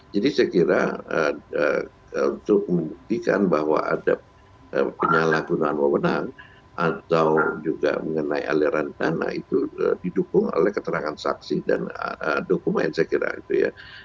jadi saya kira untuk membuktikan bahwa ada penyalahgunaan pemenang atau juga mengenai aliran dana itu didukung oleh keterangan saksi dan dokumen saya kira itu ya